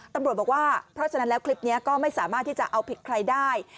ตำรวจบอกว่าเพราะฉะนั้นแล้วคลิปนี้ก็ไม่สามารถที่จะเอาผิดใครได้